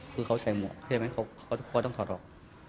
คือเขาใส่หมวกใช่ไหมเขาก็ต้องถอดออก